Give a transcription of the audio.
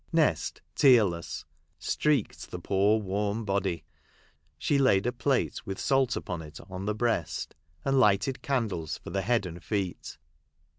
Nest, tearless, streeked the poor worn body. She laid a plate with salt upon it on the breast, and lighted candles for the head and feet.